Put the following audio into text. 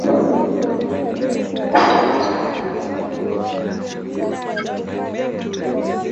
Sheng' ni lugha ya vijana mitaani nchini ni lugha iliyoibuka kutoka kwa Kiswahili na Kiingereza.